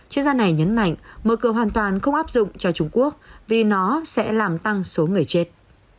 chuyên gia này nhấn mạnh mở cửa hoàn toàn không áp dụng cho trung quốc vì nó sẽ làm tăng số người chết